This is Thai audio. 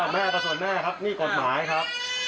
แม่ก็ส่วนแม่ครับนี่กฎหมายครับ